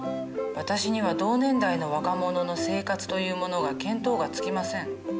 私には同年代の若者の生活というものが見当がつきません。